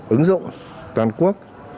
ứng dụng toàn quốc